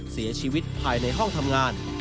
เสียชีวิตภายในห้องทำงาน